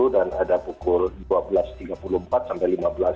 dan ada pukul dua belas tiga puluh empat sampai lima belas lima puluh